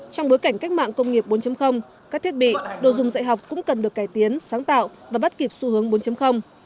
trong bối cảnh cách mạng công nghiệp bốn các thiết bị đồ dùng dạy học cũng cần được cải tiến sáng tạo và bắt kịp xu hướng bốn